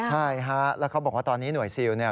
ใช่ฮะแล้วเขาบอกว่าตอนนี้หน่วยซิลเนี่ย